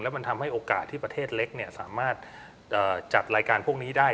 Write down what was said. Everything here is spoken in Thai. มันทำให้โอกาสที่ประเทศเล็กสามารถจัดรายการพวกนี้ได้